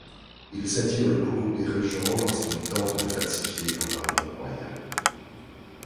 Il s'attire le courroux des régents lorsqu'il tente de falsifier un pardon royal.